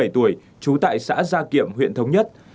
bốn mươi bảy tuổi trú tại xã gia kiệm huyện thống nhất